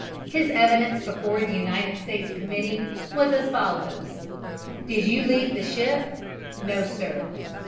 His evidence before the United States Committee was as follows: "Did you leave the ship?" "No, sir."